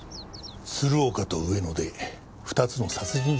鶴岡と上野で２つの殺人事件がありました。